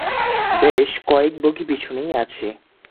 ব্যস কয়েক বগি পেছনেই আছে।